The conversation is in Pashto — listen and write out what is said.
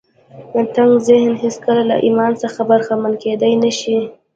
تنګ ذهن هېڅکله له ایمان څخه برخمن کېدای نه شي